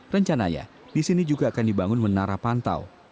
rencananya di sini juga akan dibangun menara pantau